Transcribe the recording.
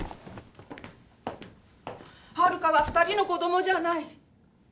春香は２人の子供じゃない。